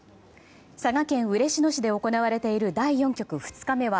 佐賀県嬉野市で行われている第４局２日目は